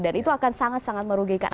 dan itu akan sangat sangat merugikan